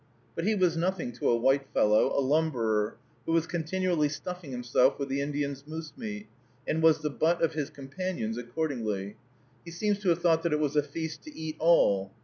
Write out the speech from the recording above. But he was nothing to a white fellow, a lumberer, who was continually stuffing himself with the Indians' moose meat, and was the butt of his companions accordingly. He seems to have thought that it was a feast "to eat all."